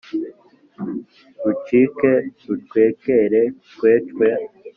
rucike rucwekere cwe cwe!